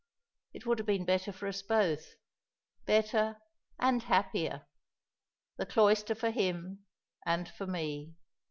It would have been better for us both better and happier. The cloister for him and for me.